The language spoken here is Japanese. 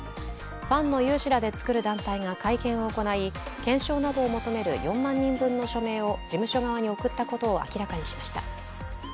ファンの有志らで作る団体が会見を行い検証などを求める４万人分の署名を事務所側に送ったことを明らかにしました。